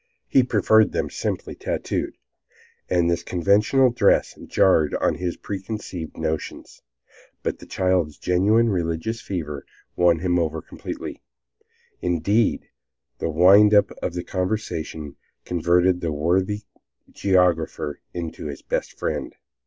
He preferred them simply tattooed, and this conventional dress jarred on his preconceived notions. But the child's genuine religious fervor won him over completely. Indeed, the wind up of the conversation converted the worthy geographer into his best friend.